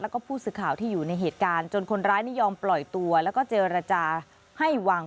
แล้วก็ผู้สื่อข่าวที่อยู่ในเหตุการณ์